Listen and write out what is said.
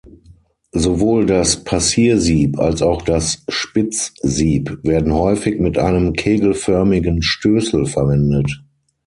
Sowohl das Passiersieb als auch das Spitzsieb werden häufig mit einem kegelförmigen Stößel verwendet.